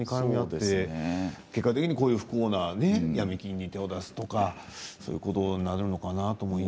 結果的に、こういう不幸なヤミ金に手を出すとかそういうことになるのかな